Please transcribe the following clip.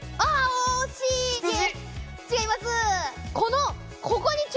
惜しいです。